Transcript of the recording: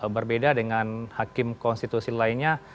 berbeda dengan hakim konstitusi lainnya